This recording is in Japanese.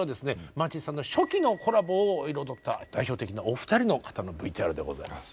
マーチンさんの初期のコラボを彩った代表的なお二人の方のＶＴＲでございます。